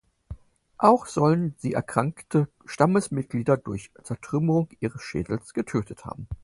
Auch sollen sie erkrankte Stammesmitglieder durch Zertrümmerung ihres Schädels getötet haben.